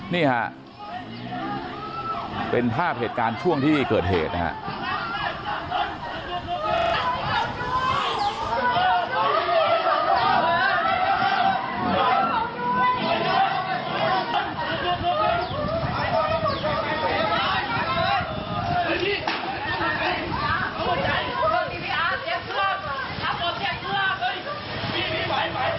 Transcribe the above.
นี่ฮะเป็นภาพเหตุการณ์ช่วงที่เกิดเหตุนะครับ